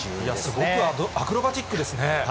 すごくアクロバティックですね。